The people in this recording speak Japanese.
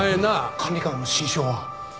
管理官の心証は？